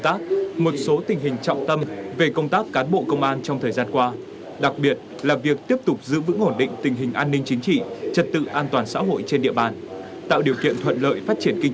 tại buổi làm việc đại tá trần bình